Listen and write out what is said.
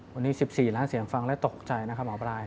วันนี้๑๔ล้านเสียงฟังแล้วตกใจนะครับหมอปลาย